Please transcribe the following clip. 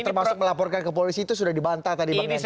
termasuk melaporkan ke polisi itu sudah dibantah tadi bang yandri